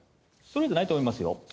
取れてないと思いますよ。